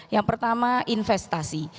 yang pertama investasi